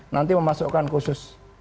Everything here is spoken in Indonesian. nanti memasukkan khusus